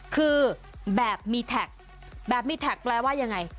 คือแบบมีแท็กแบบมีแท็กแปลว่ายังไง